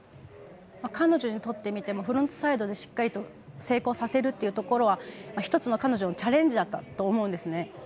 彼女にとってみてもフロントサイドでしっかりと成功させることは１つのチャレンジだったと思うんですね。